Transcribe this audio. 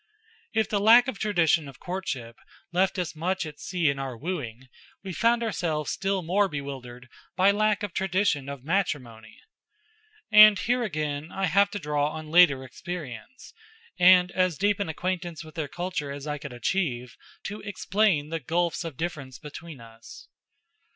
If the lack of tradition of courtship left us much at sea in our wooing, we found ourselves still more bewildered by lack of tradition of matrimony. And here again, I have to draw on later experience, and as deep an acquaintance with their culture as I could achieve, to explain the gulfs of difference between us.